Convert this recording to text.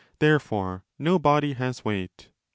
Therefore no body has 30 weight.